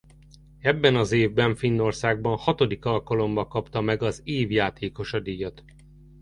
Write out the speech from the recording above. Ebben az évben Finnországban hatodik alkalommal kapta meg az Év Játékosa díjat.